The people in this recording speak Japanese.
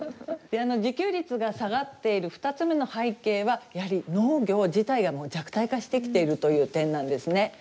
自給率が下がっている２つ目の背景はやはり農業自体がもう弱体化してきているという点なんですね。